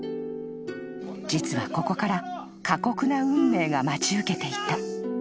［実はここから過酷な運命が待ち受けていた］